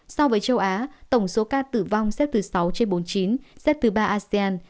so với châu á tổng số ca tử vong xếp thứ sáu trên bốn mươi chín xếp thứ ba asean